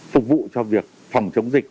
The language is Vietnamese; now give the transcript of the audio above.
phục vụ cho việc phòng chống dịch